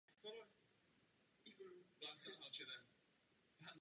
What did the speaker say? Hlavní roli ztvárnil Peter Sellers.